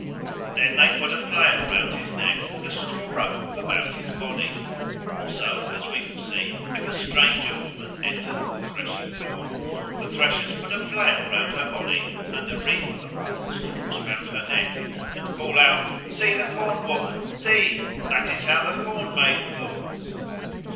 Then they put a flail round his neck and a straw rope about his body. Also, as we have seen, if a stranger woman enters the threshing floor, the threshers put a flail round her body and a wreath of corn stalks round her neck, and call out, "See the Corn woman! See! that is how the Corn maiden looks!"